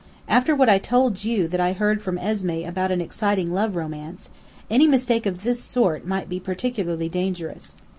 After what I told you that I heard from Esmé about an exciting love romance, any mistake of this sort might be particularly dangerous.